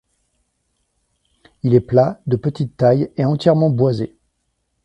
Il est plat, de petite taille, et entièrement boisé.